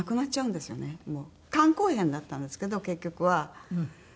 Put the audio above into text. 肝硬変だったんですけど結局は。